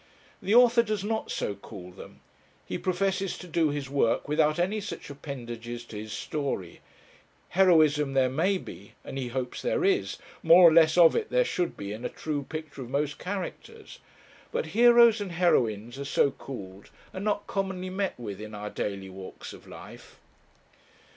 The author does not so call them; he professes to do his work without any such appendages to his story heroism there may be, and he hopes there is more or less of it there should be in a true picture of most characters; but heroes and heroines, as so called, are not commonly met with in our daily walks of life.